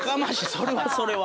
それはそれは。